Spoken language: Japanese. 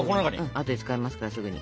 あとで使いますからすぐに。